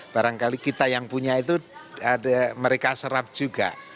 barangkali kita yang punya itu mereka serap juga